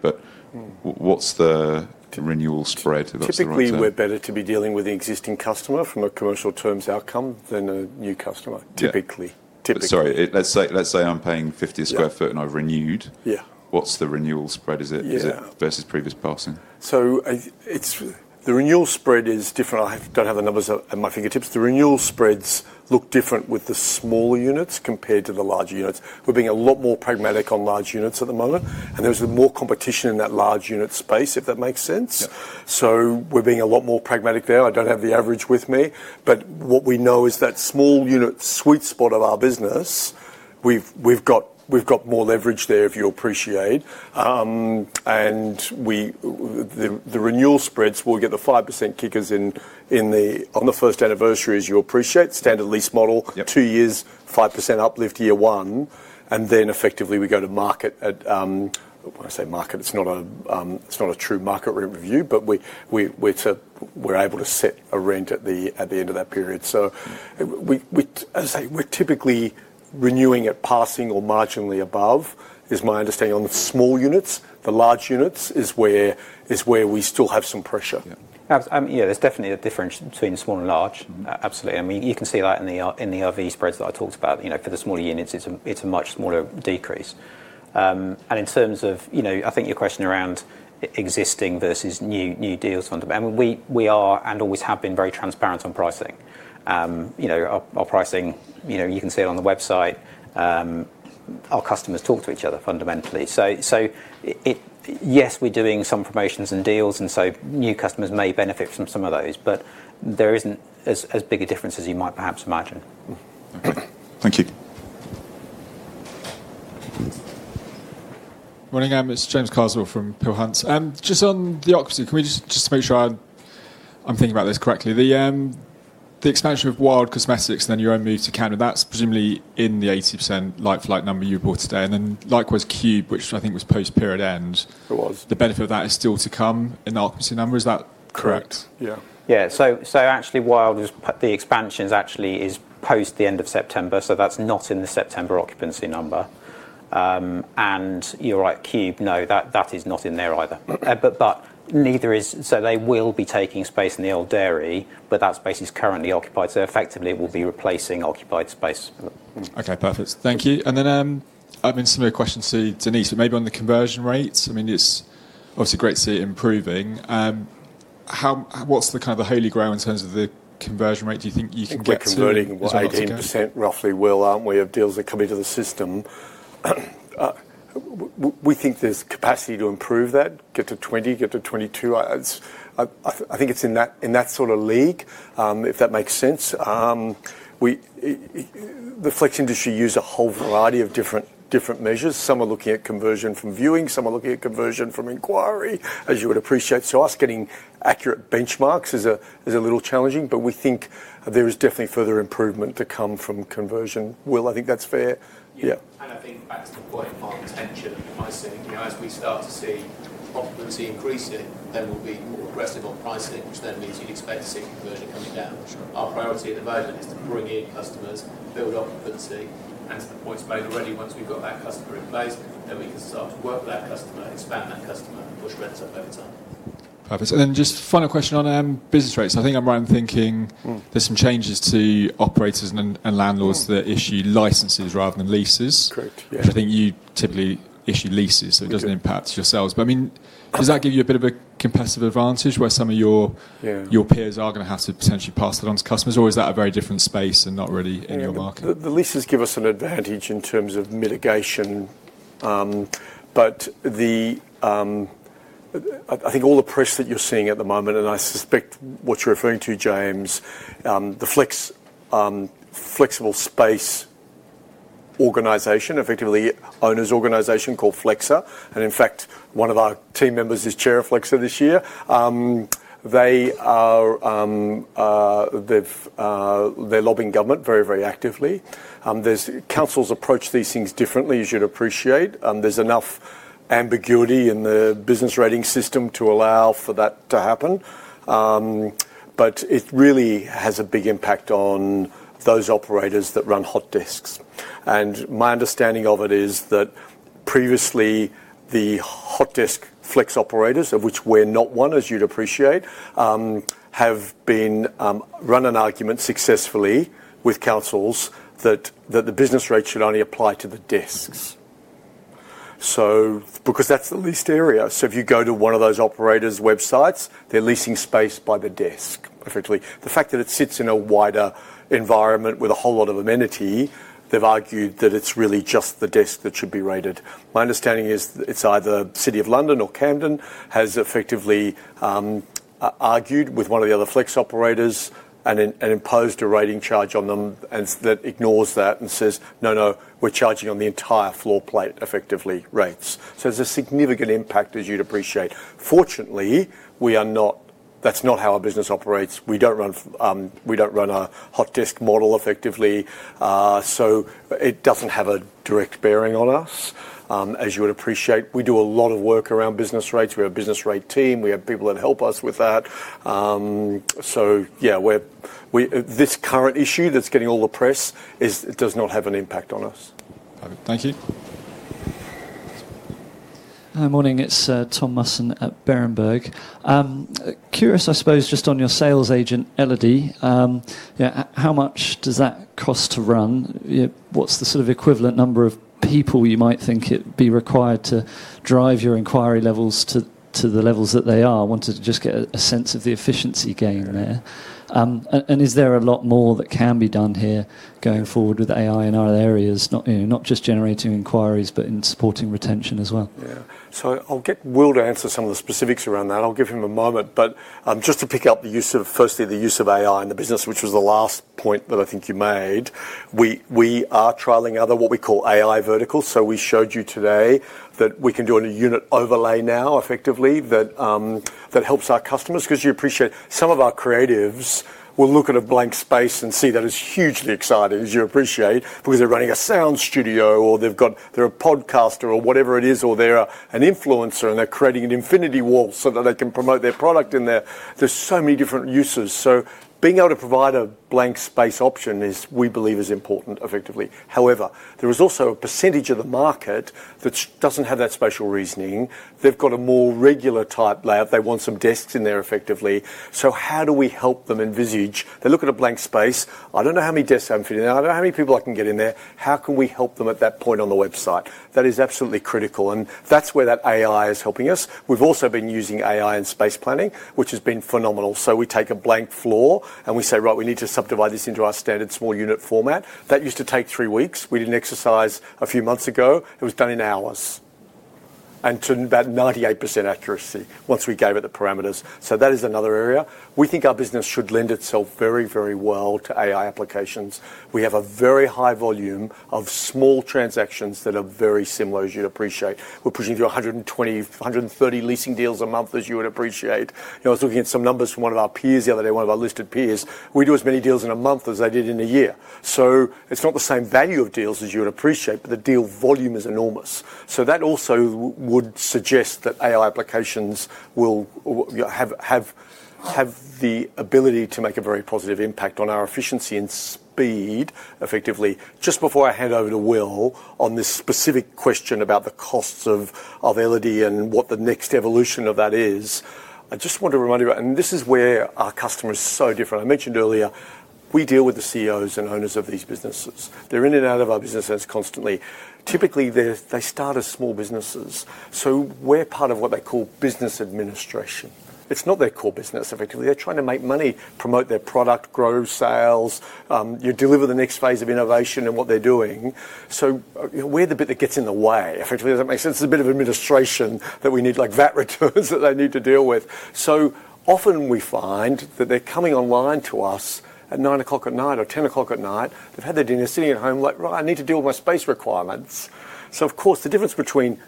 What's the renewal spread of that? Typically, we're better to be dealing with the existing customer from a commercial terms outcome than a new customer, typically. Typically. Sorry. Let's say I'm paying 50 a sq ft and I've renewed. What's the renewal spread? Is it versus previous passing? The renewal spread is different. I don't have the numbers at my fingertips. The renewal spreads look different with the smaller units compared to the larger units. We're being a lot more pragmatic on large units at the moment. There's more competition in that large unit space, if that makes sense. We're being a lot more pragmatic there. I don't have the average with me. What we know is that small unit sweet spot of our business, we've got more leverage there, if you appreciate. The renewal spreads, we'll get the 5% kickers on the first anniversary, as you appreciate, standard lease model, two years, 5% uplift year one. Effectively, we go to market at—when I say market, it's not a true market rate review, but we're able to set a rent at the end of that period. As I say, we're typically renewing at passing or marginally above, is my understanding. On the small units, the large units is where we still have some pressure. Yeah, there's definitely a difference between small and large. Absolutely. I mean, you can see that in the other E spreads that I talked about. For the smaller units, it's a much smaller decrease. In terms of, I think, your question around existing versus new deals, fundamentally, we are and always have been very transparent on pricing. Our pricing, you can see it on the website. Our customers talk to each other fundamentally. Yes, we're doing some promotions and deals, and new customers may benefit from some of those. There isn't as big a difference as you might perhaps imagine. Thank you. Morning. It's James Carswell from Peel Hunt. Just on the occupancy, can we just make sure I'm thinking about this correctly? The expansion of Wild cosmetics company Cosmetics and then your own move to Canada, that's presumably in the 80% like-for-like number you brought today. Likewise, Cube, which I think was post-period end. It was. The benefit of that is still to come in the occupancy number. Is that correct? Yeah. Yeah. Actually, the expansion is actually post the end of September. That is not in the September occupancy number. You are right, Cube, no, that is not in there either. Neither is—so they will be taking space in the Old Dairy, but that space is currently occupied. Effectively, it will be replacing occupied space. Okay. Perfect. Thank you. I have been seeing a question to Denise. Maybe on the conversion rates. I mean, it is obviously great to see it improving. What is the kind of the holy grail in terms of the conversion rate? Do you think you can get to it? We are converting 18% roughly, Will Abbott, are we not, of deals that come into the system. We think there is capacity to improve that, get to 20%, get to 22%. I think it is in that sort of league, if that makes sense. The flex industry uses a whole variety of different measures. Some are looking at conversion from viewing. Some are looking at conversion from inquiry, as you would appreciate. Us getting accurate benchmarks is a little challenging. We think there is definitely further improvement to come from conversion. Will Abbott, I think that's fair. Yeah. I think back to the point on tension, I think as we start to see occupancy increasing, then we'll be more aggressive on pricing, which then means you'd expect to see conversion coming down. Our priority at the moment is to bring in customers, build occupancy, and to the point made already, once we've got that customer in place, then we can start to work with that customer, expand that customer, and push rents up over time. Perfect. Then just final question on business rates. I think I'm right in thinking there's some changes to operators and landlords that issue licenses rather than leases. Correct. Yeah. I think you typically issue leases, so it doesn't impact your sales. I mean, does that give you a bit of a competitive advantage where some of your peers are going to have to potentially pass that on to customers, or is that a very different space and not really in your market? The leases give us an advantage in terms of mitigation. I think all the press that you're seeing at the moment, and I suspect what you're referring to, James Graham, the flexible space organization, effectively owner's organization called FlexSA. In fact, one of our team members is chair of FlexSA this year. They're lobbying government very, very actively. Council has approached these things differently, as you'd appreciate. There's enough ambiguity in the business rating system to allow for that to happen. It really has a big impact on those operators that run hot desks. My understanding of it is that previously, the hot desk flex operators, of which we're not one, as you'd appreciate, have run an argument successfully with councils that the business rate should only apply to the desks. That's the least area. If you go to one of those operators' websites, they're leasing space by the desk, effectively. The fact that it sits in a wider environment with a whole lot of amenity, they've argued that it's really just the desk that should be rated. My understanding is it's either City of London or Camden has effectively argued with one of the other flex operators and imposed a rating charge on them that ignores that and says, "No, no, we're charging on the entire floor plate, effectively, rates." There is a significant impact, as you'd appreciate. Fortunately, that's not how our business operates. We don't run a hot desk model, effectively. It doesn't have a direct bearing on us, as you would appreciate. We do a lot of work around business rates. We have a business rate team. We have people that help us with that. Yeah, this current issue that's getting all the press does not have an impact on us. Perfect. Thank you. Morning. It's Tom Mussin at Berenberg. Curious, I suppose, just on your sales agent, Elodie. How much does that cost to run? What's the sort of equivalent number of people you might think it'd be required to drive your inquiry levels to the levels that they are? I wanted to just get a sense of the efficiency gain there. Is there a lot more that can be done here going forward with AI in other areas, not just generating inquiries, but in supporting retention as well? Yeah. I'll get Will Abbortt to answer some of the specifics around that. I'll give him a moment. Just to pick up the use of, firstly, the use of AI in the business, which was the last point that I think you made. We are trialing out what we call AI verticals. We showed you today that we can do a unit overlay now, effectively, that helps our customers because you appreciate some of our creatives will look at a blank space and see that it's hugely exciting, as you appreciate, because they're running a sound studio or they're a podcaster or whatever it is, or they're an influencer and they're creating an infinity wall so that they can promote their product in there. There are so many different uses. Being able to provide a blank space option, we believe, is important, effectively. However, there is also a percentage of the market that does not have that spatial reasoning. They have a more regular type layout. They want some desks in there, effectively. How do we help them envisage? They look at a blank space. I do not know how many desks I can fit in there. I don't know how many people I can get in there. How can we help them at that point on the website? That is absolutely critical. That is where that AI is helping us. We've also been using AI in space planning, which has been phenomenal. We take a blank floor and we say, "Right, we need to subdivide this into our standard small unit format." That used to take three weeks. We did an exercise a few months ago. It was done in hours and to about 98% accuracy once we gave it the parameters. That is another area. We think our business should lend itself very, very well to AI applications. We have a very high volume of small transactions that are very similar, as you'd appreciate. We're pushing through 120-130 leasing deals a month, as you would appreciate. I was looking at some numbers from one of our peers the other day, one of our listed peers. We do as many deals in a month as they did in a year. It is not the same value of deals, as you would appreciate, but the deal volume is enormous. That also would suggest that AI applications will have the ability to make a very positive impact on our efficiency and speed, effectively. Just before I hand over to Will Abbortt on this specific question about the costs of Elodie and what the next evolution of that is, I just want to remind you about, and this is where our customer is so different. I mentioned earlier, we deal with the CEOs and owners of these businesses. They are in and out of our businesses constantly. Typically, they start as small businesses. We're part of what they call business administration. It's not their core business, effectively. They're trying to make money, promote their product, grow sales, deliver the next phase of innovation and what they're doing. We're the bit that gets in the way, effectively. Does that make sense? It's a bit of administration that we need, like VAT returns that they need to deal with. Often we find that they're coming online to us at 9:00 P.M. or 10:00 P.M. They've had their dinner, sitting at home, like, "Right, I need to deal with my space requirements." Of course, the difference between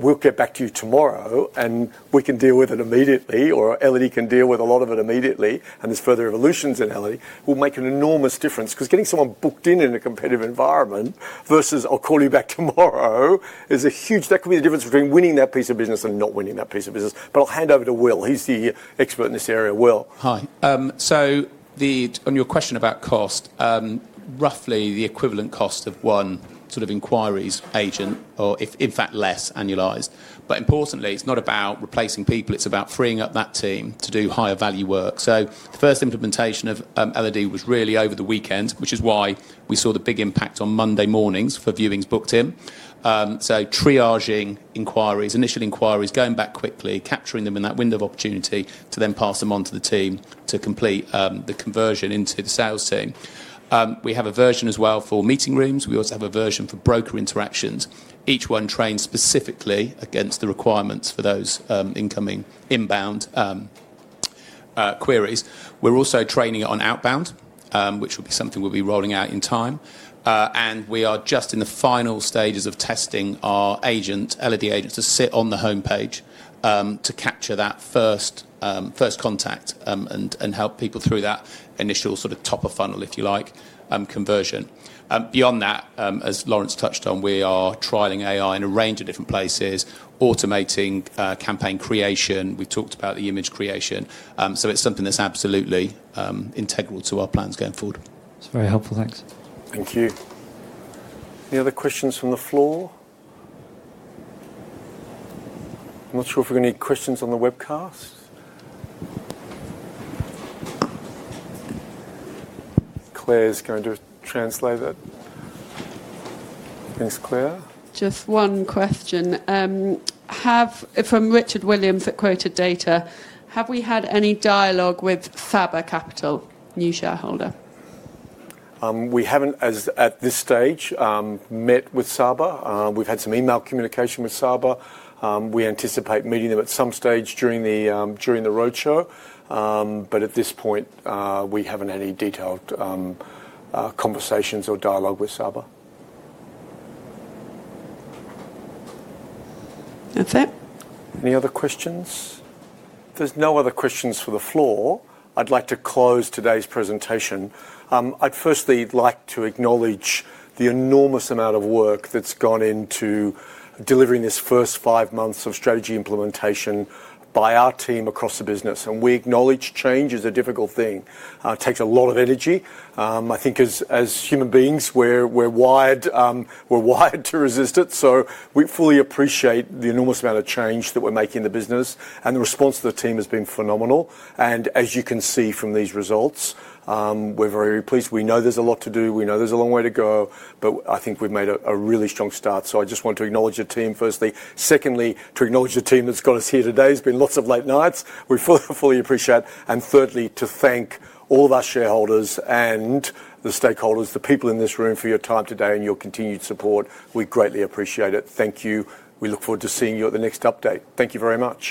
we'll get back to you tomorrow and we can deal with it immediately, or Elodie can deal with a lot of it immediately, and there's further evolutions in Elodie, will make an enormous difference. Because getting someone booked in in a competitive environment versus, "I'll call you back tomorrow," is a huge—that could be the difference between winning that piece of business and not winning that piece of business. I'll hand over to Will Abbott. He's the expert in this area, Will. Hi. On your question about cost, roughly the equivalent cost of one sort of inquiries agent, or in fact, less annualized. Importantly, it's not about replacing people. It's about freeing up that team to do higher value work. The first implementation of Elodie was really over the weekend, which is why we saw the big impact on Monday mornings for viewings booked in. Triaging inquiries, initial inquiries, going back quickly, capturing them in that window of opportunity to then pass them on to the team to complete the conversion into the sales team. We have a version as well for meeting rooms. We also have a version for broker interactions. Each one trained specifically against the requirements for those incoming inbound queries. We are also training on outbound, which will be something we'll be rolling out in time. We are just in the final stages of testing our agent, Elodie agent, to sit on the homepage to capture that first contact and help people through that initial sort of top of funnel, if you like, conversion. Beyond that, as Lawrence touched on, we are trialing AI in a range of different places, automating campaign creation. We've talked about the image creation. It's something that's absolutely integral to our plans going forward. It's very helpful. Thanks. Thank you. Any other questions from the floor? I'm not sure if we're going to need questions on the webcast. Claire's going to translate it. Thanks, Claire. Just one question. From Richard Williams at Quota Data, have we had any dialogue with Saba Capital, new shareholder? We have not, at this stage, met with Saba. We have had some email communication with Saba. We anticipate meeting them at some stage during the roadshow. At this point, we have not had any detailed conversations or dialogue with Saba. That is it. Any other questions? If there are no other questions for the floor, I would like to close today's presentation. I would firstly like to acknowledge the enormous amount of work that has gone into delivering this first five months of strategy implementation by our team across the business. We acknowledge change is a difficult thing. It takes a lot of energy. I think as human beings, we are wired to resist it. We fully appreciate the enormous amount of change that we are making in the business. The response of the team has been phenomenal. As you can see from these results, we're very pleased. We know there's a lot to do. We know there's a long way to go. I think we've made a really strong start. I just want to acknowledge the team firstly. Secondly, to acknowledge the team that's got us here today. It's been lots of late nights. We fully appreciate it. Thirdly, to thank all of our shareholders and the stakeholders, the people in this room for your time today and your continued support. We greatly appreciate it. Thank you. We look forward to seeing you at the next update. Thank you very much.